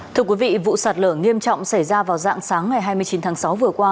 thưa quý vị vụ sạt lở nghiêm trọng xảy ra vào dạng sáng ngày hai mươi chín tháng sáu vừa qua